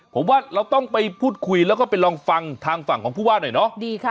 ผมว่าเราต้องไปพูดคุยแล้วก็ไปลองฟังทางฝั่งของผู้ว่าหน่อยเนาะดีค่ะ